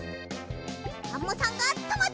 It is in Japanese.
アンモさんがとまった。